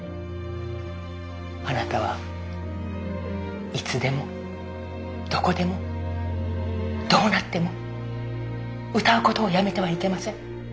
あなたはいつでもどこでもどうなっても歌うことをやめてはいけません。